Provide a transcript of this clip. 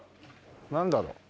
なんだろう？